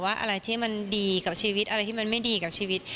อะไรที่มันดีกับชีวิตอะไรที่มันไม่ดีกับชีวิต